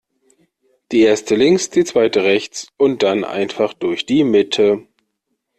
Die Erste links, die Zweite rechts und dann einfach durch die Mitte.